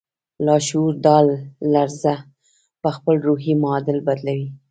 لاشعور دا لړزه پهخپل روحي معادل بدلوي